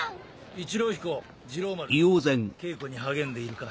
一郎彦二郎丸稽古に励んでいるか？